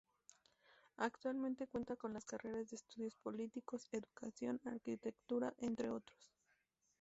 Actualmente cuenta con las carreras de Estudios Políticos, Educación, Arquitectura, entre otros.